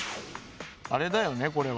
あれだよねこれは。